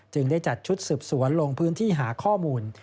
ได้จัดชุดสืบสวนลงพื้นที่หาข้อมูล